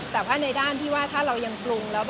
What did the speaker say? แต่ว่าในด้านที่ว่าถ้าเรายังปรุงแล้ว